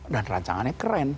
dan rancangannya keren